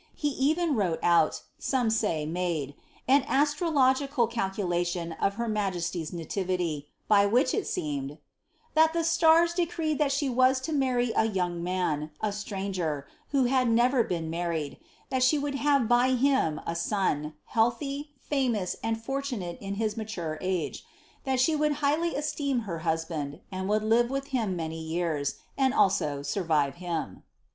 He even wrote out (some say, made) an as trological calculation of her majesty's nativity, by which it seemed ^^ that te stare decreed that she was to marry a young man, a stranger, who W never been married ; that she would have by him a son, healthy, ftBOii&, and fortunate in his mature age ; that she would highly esteem )m husbands would live with him many years, and also survive him."